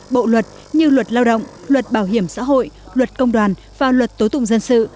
bộ luật như luật lao động luật bảo hiểm xã hội luật công đoàn và luật tố tụng dân sự